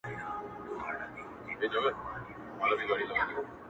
مورې هغه د سترگو تور به په زړگي کي وړمه’